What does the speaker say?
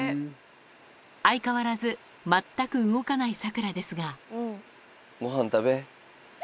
相変わらず全く動かないサクラですが。